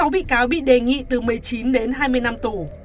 sáu bị cáo bị đề nghị từ một mươi chín đến hai mươi năm tù